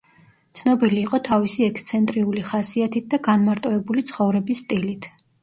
ცნობილი იყო თავისი ექსცენტრიული ხასიათით და განმარტოებული ცხოვრების სტილით.